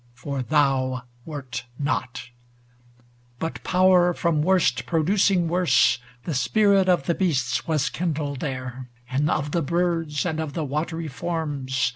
For thou wert not ; but power from worst producing worse, The spirit of the beasts was kindled there, And of the birds, and of the watery forms.